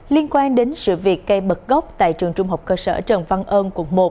liên quan đến sự việc cây bật gốc tại trường trung học cơ sở trần văn ơn quận một